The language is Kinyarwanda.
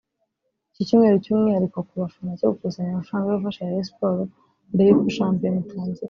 Iki cyumweru cy’umwihariko ku bafana cyo gukusanya amafaranga yo gufasha Rayon Sport mbere y’uko shampiyona itangira